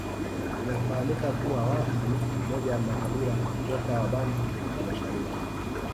Inafahamika kuwa Waha ni moja ya makabila kutoka Wabantu wa mashariki